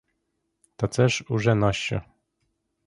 Та це ж уже нащо?